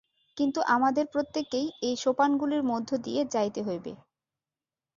কিন্তু আমাদের প্রত্যেককেই এই সোপানগুলির মধ্য দিয়া যাইতে হইবে।